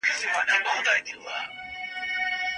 دا یوه خبره واورۍ مسافرو